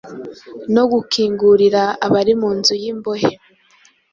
no gukingurira abari mu nzu y’imbohe,